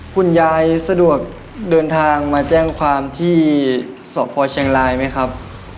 คุณยายสะดวกเดินทางมาแจ้งความที่สพเชียงรายไหมครับ